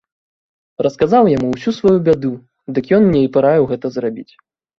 Расказаў яму ўсю сваю бяду, дык ён мне і параіў гэта зрабіць.